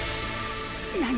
何！？